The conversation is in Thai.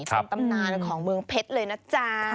แล้วก็ของเมืองเพชรเลยนะจ้า